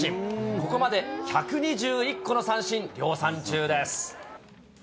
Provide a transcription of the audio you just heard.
ここまで１２１個の三振量産中です。